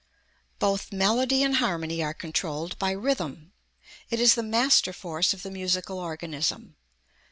Both melody and harmony are controlled by rhythm. It is the master force of the musical organism.